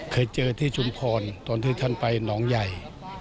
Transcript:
เคยเจอที่ชุมพรตอนที่ท่านไปหนองใหญ่